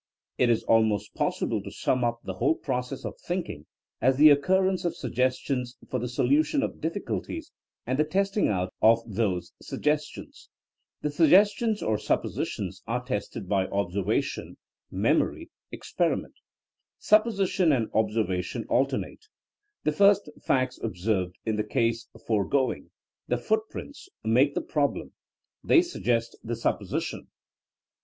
It is almost possible to sum up the whole process of thinking as the occurrence of sugges tions for the solution of diflSculties and the test ing out of those suggestions. The suggestions or suppositions are tested by observation. 30 THINKINa AS A SOIENOE memory, experiment. Supposition and obser vation alternate. The first facts observed — ^in the case foregoing, the footprints — ^make the problem, they suggest the supposition.